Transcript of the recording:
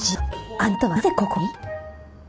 あなたはなぜここに？